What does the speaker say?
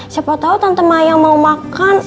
siapa tau tante mayan mau makan